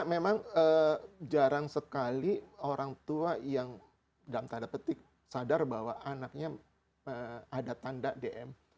karena memang jarang sekali orang tua yang dalam tanda petik sadar bahwa anaknya ada tanda dm